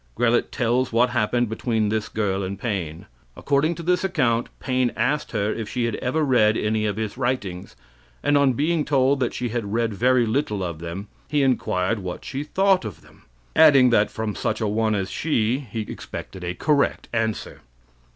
Grellet tells what happened between this girl and Paine. According to this account, Paine asked her if she had ever read any of his writings, and on being told that she had read very little of them, he inquired what she thought of them, adding that from such an one as she he expected a correct answer.